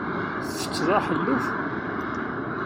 Ttetteḍ aḥelluf?